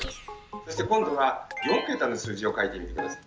そして今度は４桁の数字を書いてみて下さい。